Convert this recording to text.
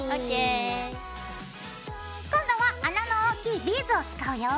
今度は穴の大きいビーズを使うよ。